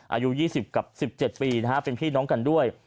อายุ๒๐กับ๑๗ปีนะฮะเป็นพี่น้องกันด้วย